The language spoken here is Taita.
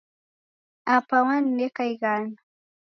Apa wanineka ighana.